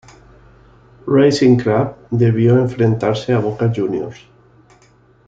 Racing Club debió enfrentarse a Boca Juniors.